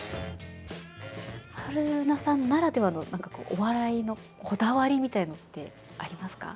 春菜さんならではの何かこうお笑いのこだわりみたいのってありますか？